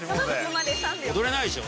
踊れないでしょ。